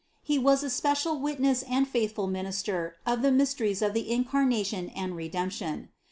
He was a special witness and faithful minister of the mys teries of the Incarnation and Redemption.